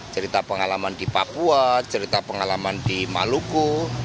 cerita pengalaman di papua cerita pengalaman di maluku